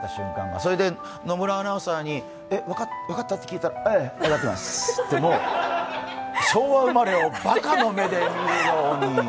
それで野村アナウンサーに分かった？って聞いたらええ、わかってますって、もう昭和生まれをばかを見るように。